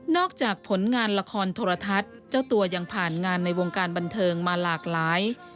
จากผลงานละครโทรทัศน์เจ้าตัวยังผ่านงานในวงการบันเทิงมาหลากหลาย